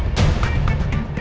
kok mobilnya papa gak ada ya